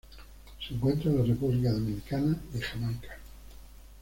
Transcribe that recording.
Se encuentra en la República Dominicana y Jamaica.